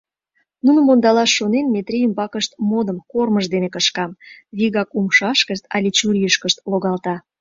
Нуным ондалаш шонен, Метрий ӱмбакышт модым кормыж дене кышка, вигак умшашкышт але чурийышкышт логалта.